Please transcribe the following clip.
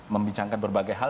membincangkan berbagai hal